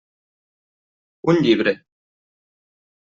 Un llibre.